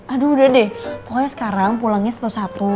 aduh udah deh pokoknya sekarang pulangnya satu satu